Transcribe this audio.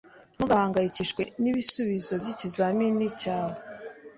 Ntugahangayikishwe n'ibisubizo by'ikizamini cyawe.